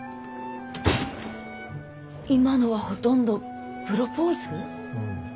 今のはほとんどプロポーズ？